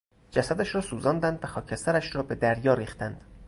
جسدش را سوزاندند و خاکسترش را به دریا ریختند.